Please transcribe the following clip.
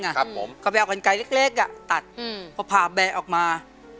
ขนไก่เล็กอะตัดพาแบกออกมา